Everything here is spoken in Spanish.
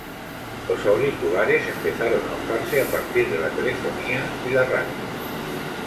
Los auriculares empezaron a usarse a partir de la telefonía y la radio.